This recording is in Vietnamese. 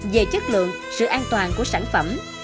về chất lượng sự an toàn của sản phẩm